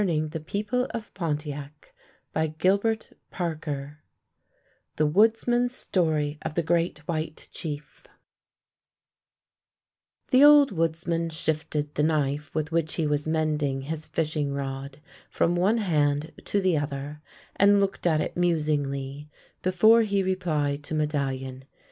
THE WOODSMAN'S STORY OF THE GREAT WHITE CHIEF THE WOODSMAN'S STORY OF THE GREAT, WHTIE CHIEF THE old woodsman shifted the knife with which he was mending his lishing rod from one hand to the other, and looked at it musingly, before he replied to Medallion.